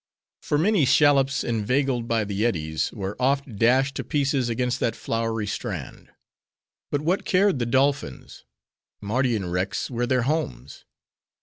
For many shallops, inveigled by the eddies, were oft dashed to pieces against that flowery strand. But what cared the dolphins? Mardian wrecks were their homes.